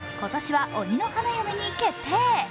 今年は「鬼の花嫁」に決定。